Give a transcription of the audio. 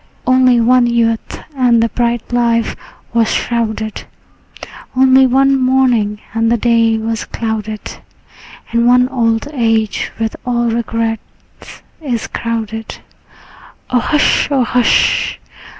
Only one youth, and the bright life was shrouded; Only one morning, and the day was clouded; And one old age with all regrets is crowded. O hush, O hush!